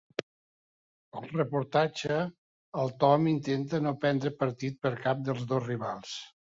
Al reportatge, el Tom intenta no prendre partit per cap dels dos rivals.